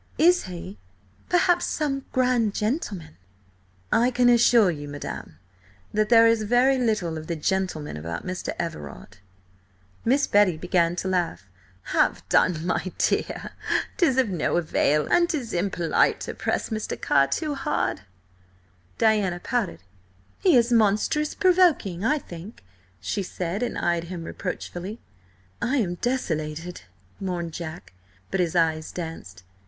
Is he, perhaps, some grand gentleman?" "I can assure you, madam, that there is very little of the gentleman about Mr. Everard." Miss Betty began to laugh. "Have done, my dear! 'Tis of no avail, and 'tis impolite to press Mr. Carr too hard." Diana pouted. "He is monstrous provoking, I think," she said, and eyed him reproachfully. "I am desolated," mourned Jack, but his eyes danced.